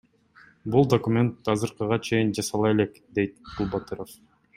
Бул документ азыркыга чейин жасала элек, — дейт Кулбатыров.